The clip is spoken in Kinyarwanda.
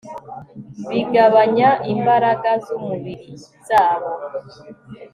bigabanya imbaraga zumubirizabo